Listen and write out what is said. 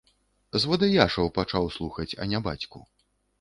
Звадыяшаў пачаў слухаць, а не бацьку.